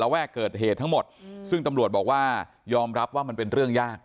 แวกเกิดเหตุทั้งหมดซึ่งตำรวจบอกว่ายอมรับว่ามันเป็นเรื่องยาก